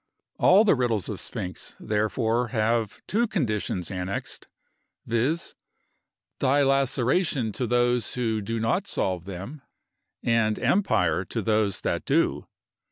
All the riddles of Sphinx, therefore, have two conditions annexed, viz: dilaceration to those who do not solve them, and empire to those that do.